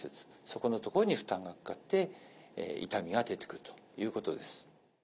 そこの所に負担がかかって痛みが出てくるということです。